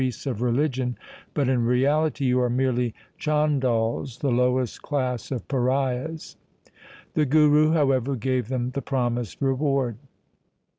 62 THE SIKH RELIGION of religion, but in reality you are merely Chandals, the lowest class of pariahs.' The Guru, however, gave them the promised reward.